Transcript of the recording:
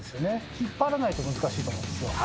引っ張らないと難しいと思うんですよ。